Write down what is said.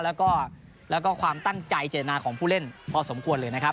แล้วก็ความตั้งใจเจตนาของผู้เล่นพอสมควรเลยนะครับ